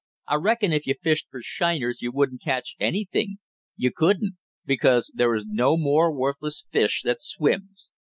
I reckon if you fished for shiners you wouldn't catch anything, you couldn't because there is no more worthless fish that swims!